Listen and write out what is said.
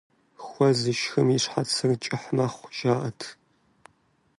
Хуэ зышхым и щхьэцыр кӀыхь мэхъу, жаӀэрт.